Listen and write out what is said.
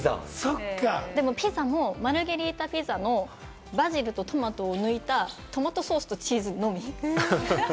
でもピザもマルゲリータピザのバジルとトマトを抜いたトマトソースとチーズのみ。